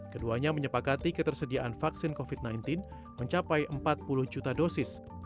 keduanya menyepakati ketersediaan vaksin covid sembilan belas mencapai empat puluh juta dosis